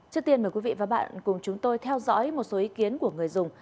trước tiên mời quý vị và các bạn cùng chúng tôi theo dõi một số ý kiến của người dùng